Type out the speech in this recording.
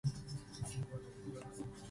Pero Ifigenia se niega a aceptar tal carga.